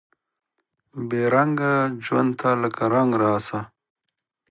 بې رنګه ژوند ته لکه رنګ راسه